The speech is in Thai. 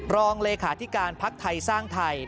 รองเลยรูปเวทีการภักดิ์ไตรสร้างไทย